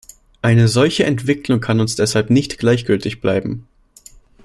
Eine solche Entwicklung kann uns deshalb nicht gleichgültig bleiben.